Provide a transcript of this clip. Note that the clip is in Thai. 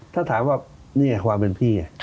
ถ้าถามว่านี่ความเป็นพี่